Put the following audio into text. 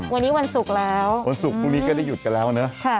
วันนี้วันศุกร์แล้ววันศุกร์พรุ่งนี้ก็ได้หยุดกันแล้วเนอะ